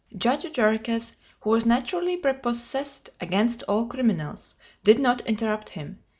Judge Jarriquez, who was naturally prepossessed against all criminals, did not interrupt him.